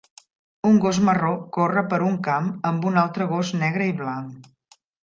Un gos marró corre per un camp amb un altre gos negre i blanc.